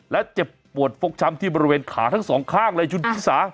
และเจ็บปวดฟกช้ำที่บริเวณขาทั้งสองข้างเลยคุณชิสา